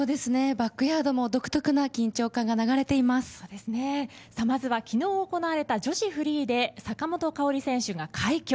バックヤードも独特な緊張感がまずは昨日行われた女子フリーで坂本花織選手が快挙。